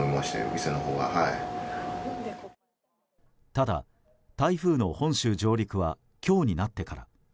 ただ台風の本州上陸は今日になってから。